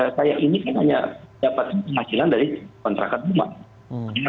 ya saya inginkan hanya dapat penghasilan dari kontrakan rumah